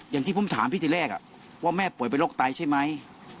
อย่างที่ผมถามพี่ทีแรกว่าแม่ป่วยเป็นโรคไตใช่ไหม